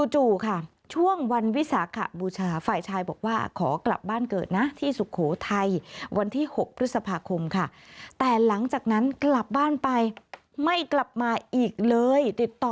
จู่ค่ะช่วงวันวิสาคบูชาฝ่ายชายบอกว่าขอกลับบ้านเกิดนะที่สุโขทัย